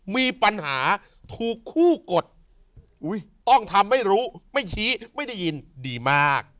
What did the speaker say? มีปัญหาถูกคู่กดต้องทำไม่รู้ไม่ชี้ไม่ได้ยินดีมาก